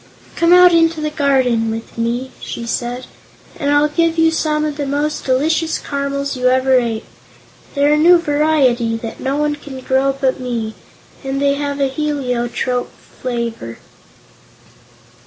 "Come out into the garden with me," she said, "and I'll give you some of the most delicious caramels you ever ate. They're a new variety, that no one can grow but me, and they have a heliotrope flavor."